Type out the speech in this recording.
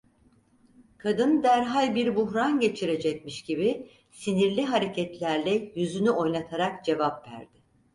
Kadın derhal bir buhran geçirecekmiş gibi sinirli hareketlerle yüzünü oynatarak cevap verdi: